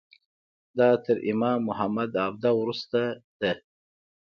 دا تر امام محمد عبده وروسته ده.